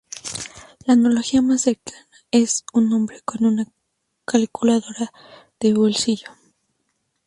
La analogía más cercana es un hombre con una calculadora de bolsillo.